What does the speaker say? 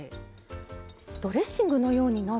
ドレッシングのようになる？